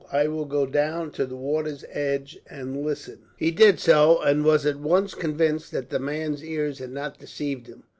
I will go down to the water's edge, and listen." He did so, and was at once convinced that the man's ears had not deceived him.